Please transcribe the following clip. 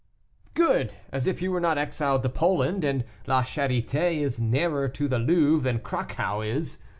"Good! as if you were not exiled to Poland; and La Charité is nearer to the Louvre than Cracow is.